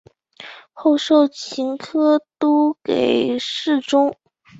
后授刑科都给事中。